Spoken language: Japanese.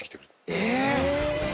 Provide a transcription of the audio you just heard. え！